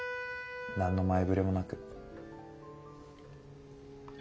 何の前触れもなく。